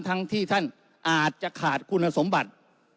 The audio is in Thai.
ทั้งที่ท่านอาจจะขาดคุณสมบัติ